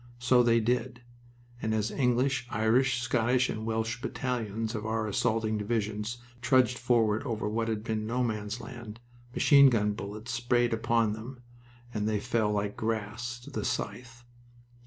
So they did; and as English, Irish, Scottish, and Welsh battalions of our assaulting divisions trudged forward over what had been No Man's Land, machine gun bullets sprayed upon them, and they fell like grass to the scythe.